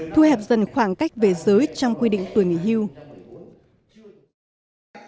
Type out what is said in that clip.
thu hẹp dần khoảng cách về giới trong quy định tuổi nghỉ hưu